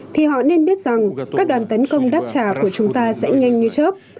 thì họ nên biết rằng các đoàn tấn công đáp trả của chúng ta sẽ nhanh như trước